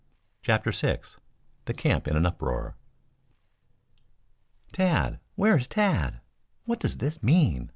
CHAPTER VI THE CAMP IN AN UPROAR "Tad! Where is Tad? What does this mean?"